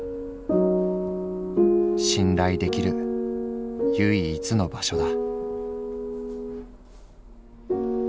信頼できる唯一の場所だ」。